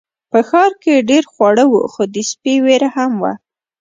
په ښار کې ډیر خواړه وو خو د سپي ویره هم وه.